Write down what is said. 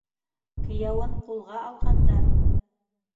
Кейәүен ҡулға алғандар!